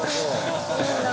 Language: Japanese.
いいな。